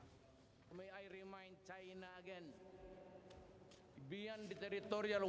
ขอบใจที่จะบอกว่าในการสืบสวนคดี